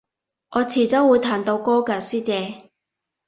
我遲早會彈到歌㗎師姐